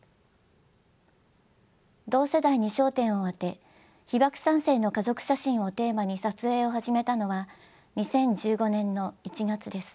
同世代に焦点を当て被爆三世の家族写真をテーマに撮影を始めたのは２０１５年の１月です。